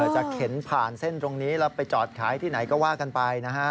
จะเข็นผ่านเส้นตรงนี้แล้วไปจอดขายที่ไหนก็ว่ากันไปนะฮะ